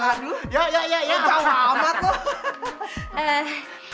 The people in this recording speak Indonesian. aduh ya ya ya ya jauh amat tuh